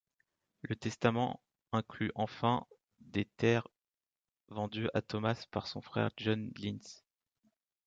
Le testament inclut enfin des terres vendues à Thomas par son frère John Lynes.